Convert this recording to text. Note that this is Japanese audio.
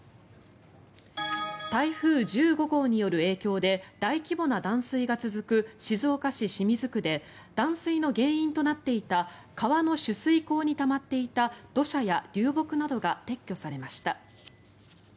台風１５号による影響で大規模な断水が続く静岡市清水区で断水の原因となっていた川の取水口にたまっていた土砂や流木が撤去されました。